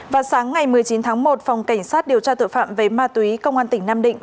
vào sáng ngày một mươi chín tháng một phòng cảnh sát điều tra tội phạm về ma túy công an tỉnh nam định